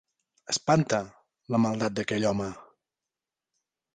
Espanta, la maldat d'aquell home!